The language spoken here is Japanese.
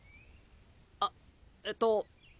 あえっと。